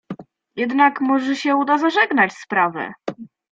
"Jednak może się uda zażegnać sprawę."